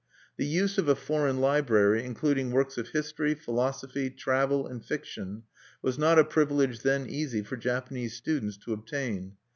The use of a foreign library, including works of history, philosophy, travel, and fiction, was not a privilege then easy for Japanese students to obtain.